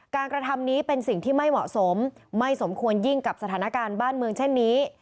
กระทำนี้เป็นสิ่งที่ไม่เหมาะสมไม่สมควรยิ่งกับสถานการณ์บ้านเมืองเช่นนี้